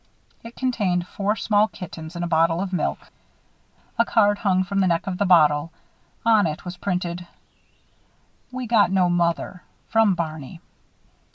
It contained four small kittens and a bottle of milk. A card hung from the neck of the bottle. On it was printed: "We got no Mother. From BARNEY."